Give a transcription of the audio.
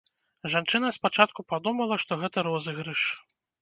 Жанчына спачатку падумала, што гэта розыгрыш.